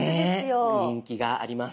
ねえ人気があります。